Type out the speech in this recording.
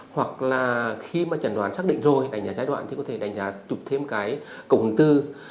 hoặc là khi mà chẩn đoán xác định rồi đánh giá giai đoạn thì có thể đánh giá trục thêm cái cổng hướng tư